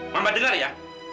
mama dengar ya